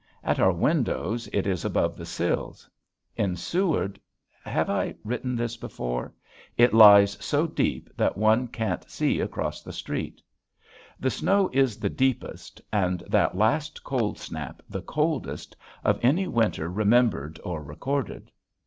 At our windows it is above the sills. In Seward, have I written this before? it lies so deep that one can't see across the street. The snow is the deepest, and that last cold snap the coldest, of any winter remembered or recorded.